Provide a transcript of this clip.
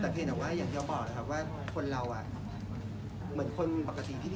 แต่เพียงแต่ว่าอย่างที่เราบอกนะครับว่าคนเราเหมือนคนปกติที่ดี